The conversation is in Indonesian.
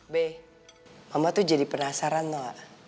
be mama tuh jadi penasaran no